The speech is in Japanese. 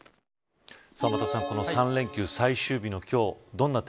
天達さんこの３連休最終日の今日